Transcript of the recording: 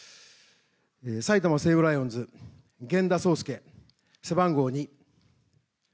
埼玉西武ライオンズ源田壮亮、背番号２。